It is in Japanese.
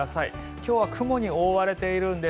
今日は雲に覆われているんです。